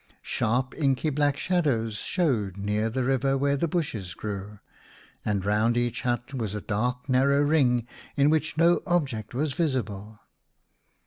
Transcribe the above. Sharp inky black shadows showed near the river where the bushes grew, and round each hut was a dark narrow ring in which no object was visible.